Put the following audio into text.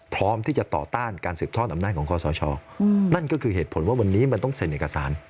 พร้อมที่จะต่อต้านการสืบทอดอำนาจของคอสชนั่นก็คือเหตุผลว่าวันนี้มันต้องเซ็นเอกสาร